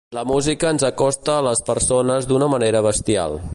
La música ens acosta a les persones d’una manera bestial.